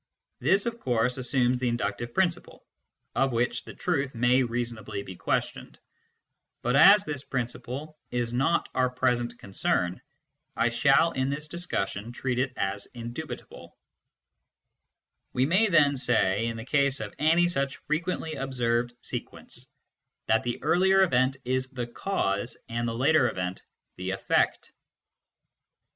This, of course, assumes the inductive principle, of which the truth may reasonably be questioned ; but as this principle is not our present concern, I shall in this discussion treat it as indubitable We may then say, in the case of any siich frequently observed sequence, that ON THE NOTION OF CAUSE 193 the earlier event is the cause and the later event the effect.